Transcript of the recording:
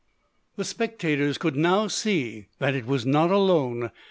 The spectators could now see that it was not alone.